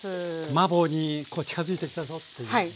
マーボーに近づいてきたぞっていうね。